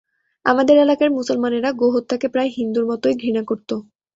আমাদের এলাকার মুসলমানেরা গোহত্যাকে প্রায় হিন্দুর মতোই ঘৃণা করত।